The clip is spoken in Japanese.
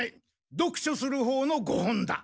読書するほうのご本だ。